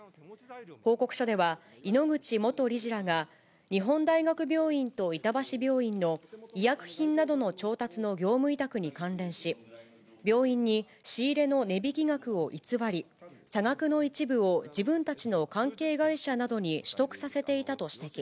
報告書では、井ノ口元理事らが、日本大学病院と板橋病院の医薬品などの調達の業務委託に関連し、病院に仕入れの値引き額を偽り、差額の一部を、自分たちの関係会社などに取得させていたと指摘。